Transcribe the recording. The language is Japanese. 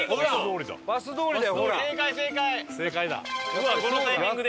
うわっこのタイミングで。